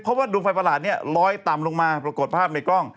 เพราะว่าดวงไฟประหลาดเนี่ยลอยต่ำลงมาปรากฏภาพในกล้อง